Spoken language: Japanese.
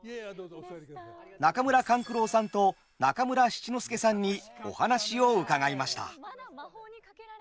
中村勘九郎さんと中村七之助さんにお話を伺いました。